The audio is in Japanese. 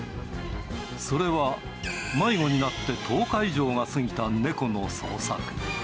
それは、迷子になって１０日以上が過ぎた猫の捜索。